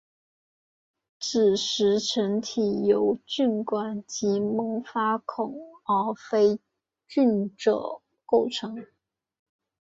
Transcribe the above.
子实层体由菌管及萌发孔而非菌褶构成。